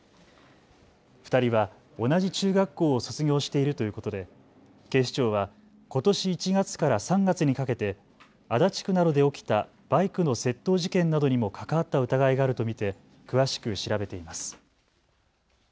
２人は同じ中学校を卒業しているということで警視庁はことし１月から３月にかけて足立区などで起きたバイクの窃盗事件などにも関わった疑いがあると見て詳しく調べています。